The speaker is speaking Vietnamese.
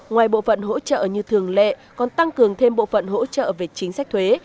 ngoài bộ phận hỗ trợ như thường lệ còn tăng cường thêm bộ phận hỗ trợ về chính sách thuế